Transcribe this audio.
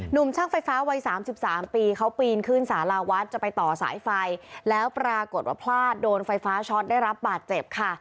หนุ่มช่างไฟฟ้าวัยสามสิบสามปีเขาปีนขึ้นสาราวัดจะไปต่อสายไฟแล้วปรากฏว่าพลาดโดนไฟฟ้าช็อตได้รับบาดเจ็บค่ะ